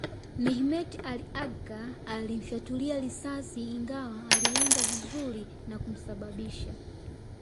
Mehmet Ali Agca alimfyatulia risasi Ingawa alilenga vizuri na kumsababisha